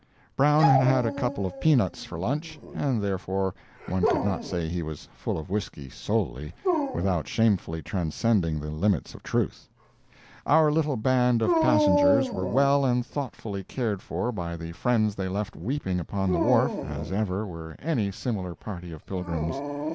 Brown had had a couple of peanuts for lunch, and therefore one could not say he was full of whisky, solely, without shamefully transcending the limits of truth. Our little band of passengers were well and thoughtfully cared for by the friends they left weeping upon the wharf as ever were any similar party of pilgrims.